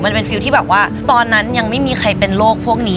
ฟิลที่แบบว่าตอนนั้นยังไม่มีใครเป็นโรคพวกนี้